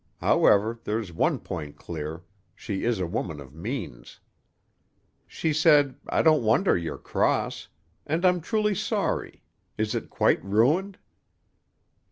However, there's one point clear: she is a woman of means._) She said, "I don't wonder you're cross. And I'm truly sorry. Is it quite ruined?"